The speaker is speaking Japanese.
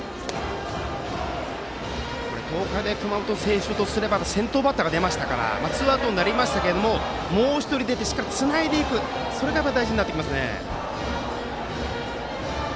東海大熊本星翔とすれば先頭バッターが出ましたからツーアウトになりましたがもう１人出てしっかりつないでいくことが大事になってきますね。